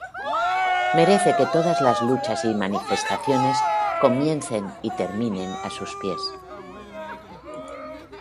Merece que todas las luchas y manifestaciones comiencen y terminen a sus pies.